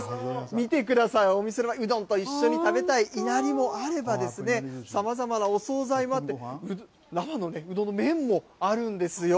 見てください、お店の前、うどんと一緒に食べたいいなりもあれば、さまざまなお総菜もあって、生のうどんの麺もあるんですよ。